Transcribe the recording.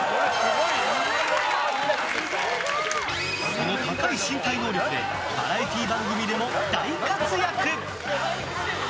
その高い身体能力でバラエティー番組でも大活躍。